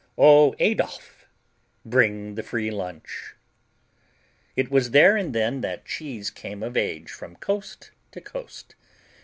Oh, Adolph, bring the free lunch. It was there and then that cheese came of age from coast to coast.